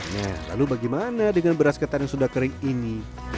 nah lalu bagaimana dengan beras ketan yang sudah kering ini